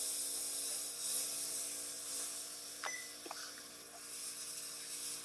huku kiongozi wa nyimbo Olaranyani huimba kiitikio